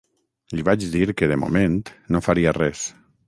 Li vaig dir que, de moment, no faria res.